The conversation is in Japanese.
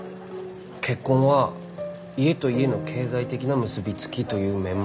結婚は家と家の経済的な結び付きという面もある。